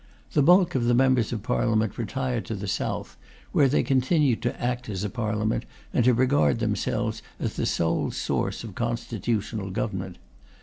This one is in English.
The bulk of the Members of Parliament retired to the South, where they continued to act as a Parliament and to regard themselves as the sole source of constitutional government.